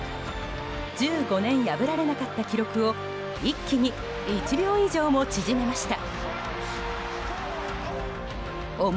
１５年破られなかった記録を一気に１秒以上も縮めました。